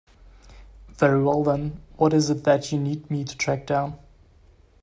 Very well then, what is it that you need me to track down?